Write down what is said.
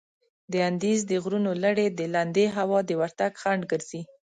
د اندیز د غرونو لړي د لندې هوا د ورتګ خنډ ګرځي.